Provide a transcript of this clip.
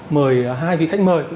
mời hai vị khách mời